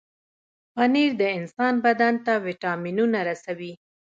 پنېر د انسان بدن ته وټامنونه رسوي.